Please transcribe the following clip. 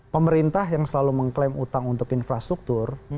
pemerintah yang selalu mengklaim utang untuk infrastruktur